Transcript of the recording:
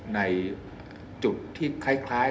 ในจุดที่คล้าย